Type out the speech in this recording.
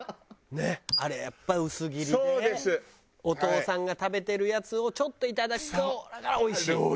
お父さんが食べてるやつをちょっといただくとおいしい。